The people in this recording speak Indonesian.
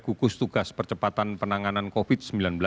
gugus tugas percepatan penanganan covid sembilan belas